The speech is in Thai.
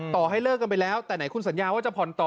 ต่อให้เลิกกันไปแล้วแต่ไหนคุณสัญญาว่าจะผ่อนต่อ